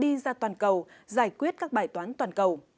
và cũng sẽ đi ra toàn cầu giải quyết các bài toán toàn cầu